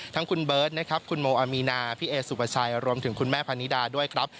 ทั้งคุณเบิร์ตนะครับคุณโมอามีนาพี่เอสุปชัยรวมถึงคุณแม่พนิดาด้วยครับ